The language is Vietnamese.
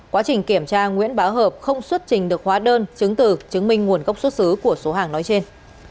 quá trình kiểm tra nguyễn bá hợp không xuất trình được hóa đơn chứng từ chứng minh nguồn gốc xuất xứ của số hàng nói trên